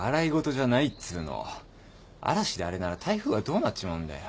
嵐であれなら台風はどうなっちまうんだよ。